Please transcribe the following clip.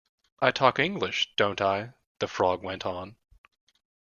‘I talk English, don’t I?’ the Frog went on.